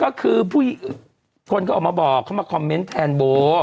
ก็คือคนเขาออกมาบอกเขามาคอมเมนต์แทนโบ